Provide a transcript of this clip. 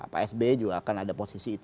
pak sby juga akan ada posisi itu